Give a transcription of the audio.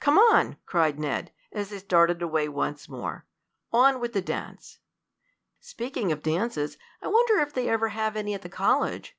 "Come on!" cried Ned, as they started away once more. "On with the dance!" "Speaking of dances, I wonder if they ever have any at the college?"